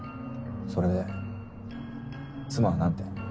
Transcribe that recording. それで妻は何て？